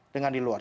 dengan di luar